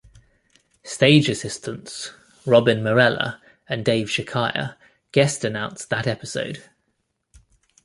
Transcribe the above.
Stage assistants Robin Marrella and Dave Shikiar guest-announced that episode.